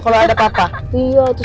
kalau ada papa